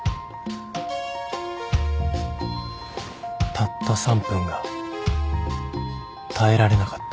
たった３分が耐えられなかった